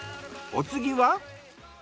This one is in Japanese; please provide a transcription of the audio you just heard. お次は？